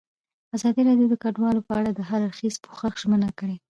ازادي راډیو د کډوال په اړه د هر اړخیز پوښښ ژمنه کړې.